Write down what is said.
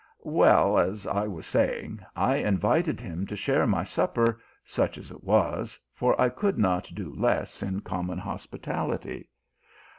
" Well, as I was saying, I invited him to share my supper, such as it was, for I could not do less in common hospitality.